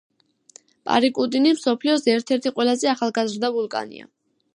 პარიკუტინი მსოფლიოს ერთ-ერთი ყველაზე ახალგაზრდა ვულკანია.